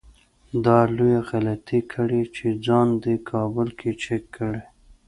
تا لويه غلطي کړې چې ځان دې کابل کې چک کړی.